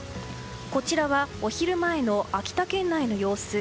こちらは、お昼前の秋田県内の様子。